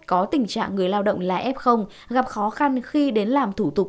có tình trạng người lao động là f gặp khó khăn khi đến làm thủ tục